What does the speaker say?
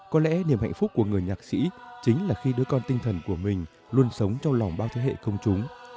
có lẽ niềm hạnh phúc của người nhạc sĩ chính là khi đứa con tinh thần của mình luôn sống trong lòng bao thế hệ công chúng